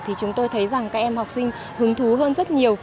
thì chúng tôi thấy rằng các em học sinh hứng thú hơn rất nhiều